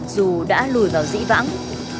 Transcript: dù đã lùi vào dĩ vãng